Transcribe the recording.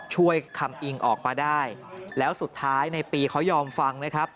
ช่วยคำอิงออกมาได้แล้วสุดท้ายในปีเขายอมฟังนะครับ